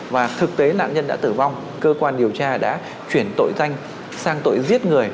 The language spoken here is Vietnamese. và thực tế nạn nhân đã tử vong cơ quan điều tra đã chuyển tội danh sang tội giết người